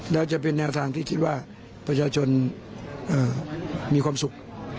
แล้วจะเป็นแนวทางที่คิดว่าประชาชนมีความสุข